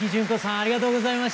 ありがとうございます。